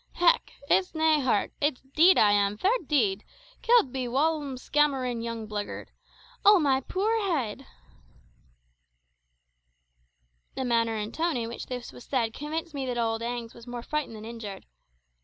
"Hech! it's nae hurt it's deed I am, fair deed; killed be a whaumlskamerin' young blagyird. Oh, ma puir heed!" The manner and tone in which this was said convinced me that old Agnes was more frightened than injured.